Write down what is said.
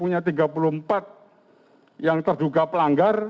punya tiga puluh empat yang terduga pelanggar